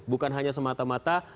bukan hanya semata mata